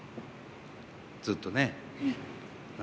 ずっとね。